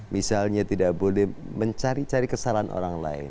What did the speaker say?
misalnya tidak boleh mencari cari kesalahan orang lain